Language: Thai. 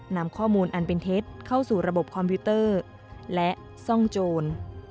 นำข้อมูลอันเป็นเท็จเข้าสู่ระบบคอมพิวเตอร์และซ่องโจร